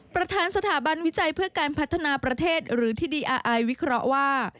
ประธานสถาบันวิจัยเพื่อการพัฒนาประเทศวิเคราะห์ว่า